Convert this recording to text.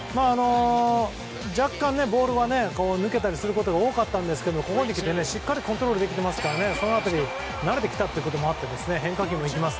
若干、ボールは抜けたりすることが多かったんですがここにきてしっかりコントロールできてますからその辺りは慣れてきたこともあって変化球もいきます。